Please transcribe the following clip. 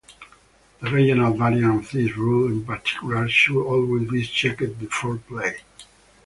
The regional variant of this rule in particular should always be checked before play.